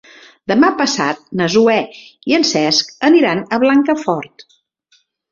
Demà passat na Zoè i en Cesc aniran a Blancafort.